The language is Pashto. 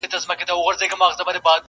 خو تر لمر یو حقیقت راته روښان دی؛